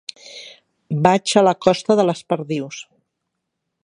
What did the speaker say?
Vaig a la costa de les Perdius.